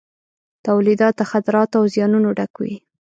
تولیدات د خطراتو او زیانونو ډک وي.